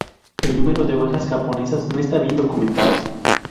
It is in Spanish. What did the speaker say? El número de bajas japonesas no está bien documentado.